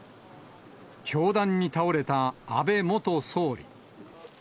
凶弾に倒れた安倍元総理。